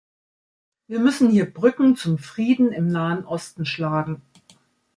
Wir müssen hier Brücken zum Frieden im Nahen Osten schlagen.